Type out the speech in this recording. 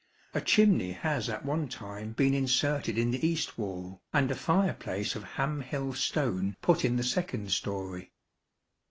A chimney has at one time been inserted in the east wall, and a fireplace of Ham Hill stone put in the second storey.